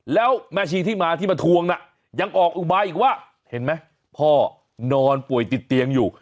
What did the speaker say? แล้วแม่ชีที่มาที่มาทวงน่ะยังออกอุบายอีกว่าเห็นไหมพ่อนอนป่วยติดเตียงอยู่